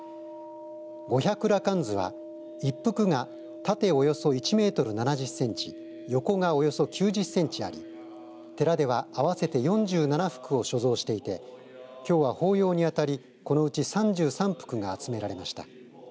五百羅漢図は１幅が縦およそ１メートル７０センチ横が、およそ９０センチあり寺では合わせて４７幅を所蔵していてきょうは法要に当たりこのうち３３幅が集められました。